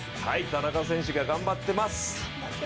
田中選手が頑張ってます。